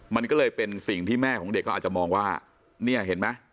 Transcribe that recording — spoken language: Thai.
มันก็เลยเป็นสิ่งที่แม่ของเด็กก็อาจจะมองว่าเนี่ยเห็นไหม